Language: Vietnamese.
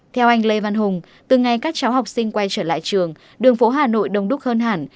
theo anh lê văn hùng từ ngày các cháu học sinh quay trở lại trường đường phố hà nội đông đúc hơn hẳn